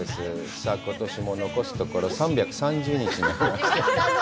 さあ、ことしも残すところ、３３０日になりました。